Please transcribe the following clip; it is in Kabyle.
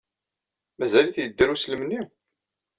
Mazal-it yedder weslem-nni?